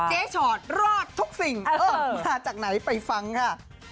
เจชอร์ดรอดทุกสิ่งเออมาจากไหนไปฟังค่ะ